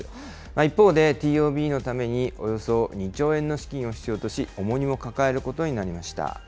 一方で、ＴＯＢのためにおよそ２兆円の資金を必要とし、重荷も抱えることになりました。